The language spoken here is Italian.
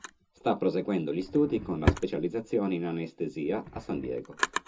Sta proseguendo gli studi con la specializzazione in anestesia a San Diego.